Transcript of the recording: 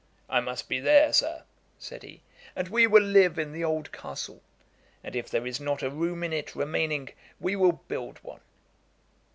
'I must be there, Sir, (said he) and we will live in the old castle; and if there is not a room in it remaining, we will build one.'